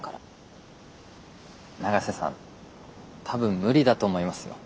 永瀬さん多分無理だと思いますよ。